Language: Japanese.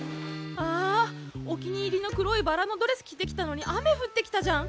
あっお気に入りの黒いバラのドレス着てきたのに雨降ってきたじゃん。